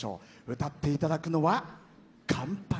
歌っていただくのは「乾杯！」。